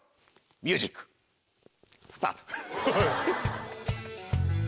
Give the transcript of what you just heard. ミュージックスタート！